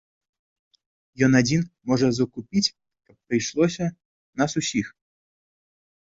Ён адзін можа закупіць, каб прыйшлося, нас усіх.